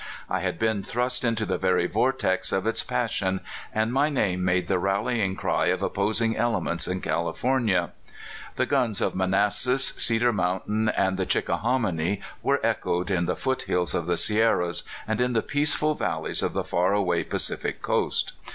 I had been thrust into the very vortex of its passion, and my name made the rallying cry of opposing elements in California. The guns of Manassas, Cedar Mountain, and the Chickahominy, were echoed in the foot hills of the Sierras, and in the peaceful valleys of the far away Pacific Coast.